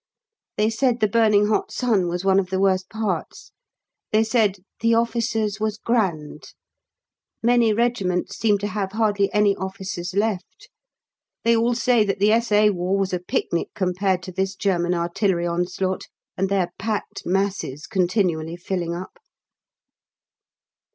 They said the burning hot sun was one of the worst parts. They said "the officers was grand"; many regiments seem to have hardly any officers left. They all say that the S.A. War was a picnic compared to this German artillery onslaught and their packed masses continually filling up.